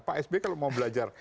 pak sby kalau mau belajar